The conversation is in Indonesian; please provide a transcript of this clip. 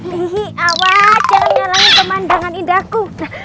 hihi awas jangan nyalahin pemandangan indahku